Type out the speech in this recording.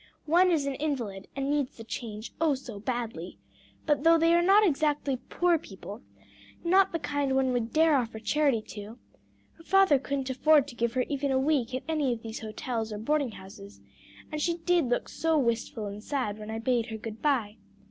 One is an invalid, and needs the change, oh so badly; but though they are not exactly poor people, not the kind one would dare offer charity to, her father couldn't afford to give her even a week at any of these hotels or boarding houses: and she did look so wistful and sad when I bade her good bye.